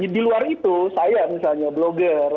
di luar itu saya misalnya blogger